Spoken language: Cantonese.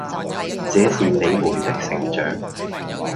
這是你們的成長